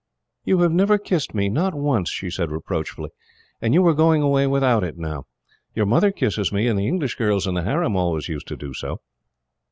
"You have never kissed me, not once," she said reproachfully, "and you were going away without it, now. Your mother kisses me, and the English girls in the harem always used to do so."